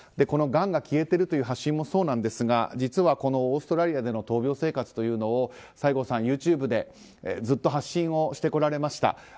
この、がんが消えているという発信もそうですが実は、オーストラリアでの闘病生活というのを西郷さん、ＹｏｕＴｕｂｅでずっと発信してこられました。